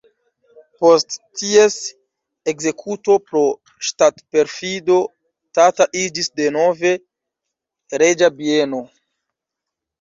Post ties ekzekuto pro ŝtatperfido Tata iĝis denove reĝa bieno.